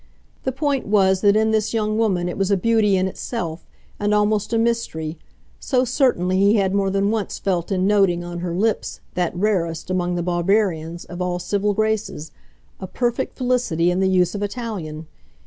The point was that in this young woman it was a beauty in itself, and almost a mystery: so, certainly, he had more than once felt in noting, on her lips, that rarest, among the Barbarians, of all civil graces, a perfect felicity in the use of Italian.